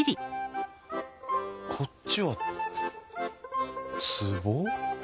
こっちはつぼ？